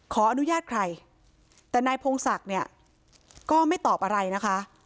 ขออนุญาตใครแต่นายพงศักดิ์เนี่ยก็ไม่ตอบอะไรนะคะ